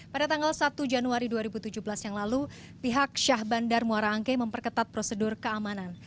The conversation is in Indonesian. pada tanggal satu januari dua ribu tujuh belas yang lalu pihak syah bandar muara angke memperketat prosedur keamanan